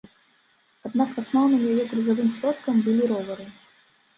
Аднак асноўным яе грузавым сродкам былі ровары.